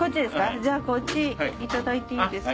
じゃあこっち頂いていいですか？